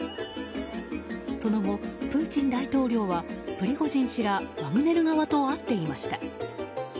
その後、プーチン大統領はプリゴジン氏らワグネル側と会っていました。